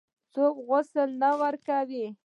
څوک غسل نه ورکوي.